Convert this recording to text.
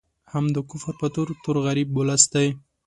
هم د کفر په تور، تور غریب ولس دی